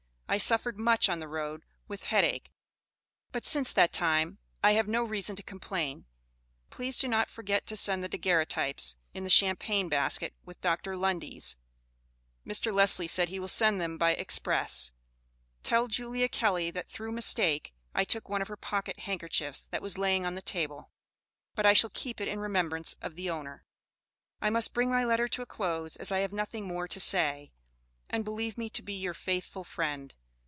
I suffered much on the road with head ake but since that time I have no reason to complain, please do not for git to send the degarritips in the Shaimpain basket with Dr. Lundys, Mr. Lesley said he will send them by express, tell Julia kelly, that through mistake, I took one of her pocket handkerchift, that was laying on the table, but I shall keep it in remembranc of the onner. I must bring my lettor to a close as I have nothing more to say, and believe me to be your faithfull friend.